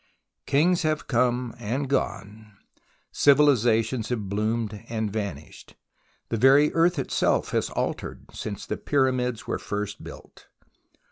Kings have come and gone, civilizations have bloomed and vanished, the very earth itself has altered since the Pyramids were first built.